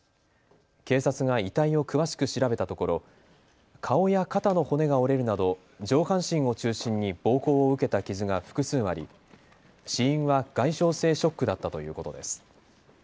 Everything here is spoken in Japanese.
警察が遺体を詳しく調べたところ顔や肩の骨が折れるなど上半身を中心に暴行を受けた傷が複数あり死因は外傷性ショックだったということです。